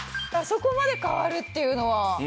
あそこまで変わるっていうのは。